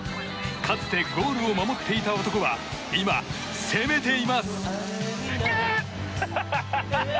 かつてゴールを守っていた男は今、攻めています！